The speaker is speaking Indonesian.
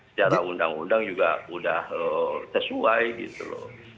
secara undang undang juga sudah sesuai gitu loh